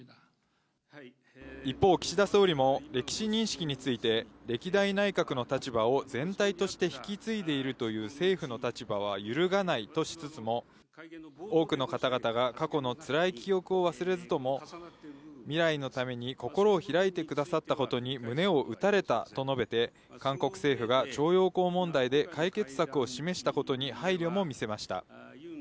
一方、岸田総理も歴史認識について、歴代内閣の立場を全体として引き継いでいるという政府の立場は揺るがないとしつつも多くの方々が過去のつらい記憶を忘れずとも、未来のために心を開いてくださったことに胸を打たれたと述べて、韓国政府が徴用工問題で解決策を示したことに配慮も見せました。